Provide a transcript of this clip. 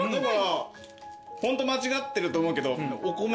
ホント間違ってると思うけど。